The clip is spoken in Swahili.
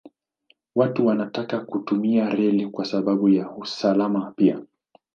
Watu wanataka kutumia reli kwa sababu ya usalama pia.